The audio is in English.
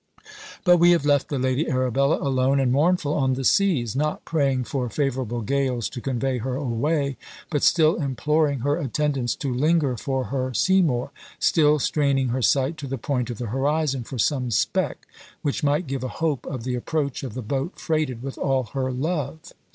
But we have left the Lady Arabella alone and mournful on the seas, not praying for favourable gales to convey her away, but still imploring her attendants to linger for her Seymour; still straining her sight to the point of the horizon for some speck which might give a hope of the approach of the boat freighted with all her love.